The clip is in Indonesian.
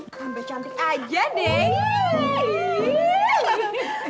kambe cantik aja deh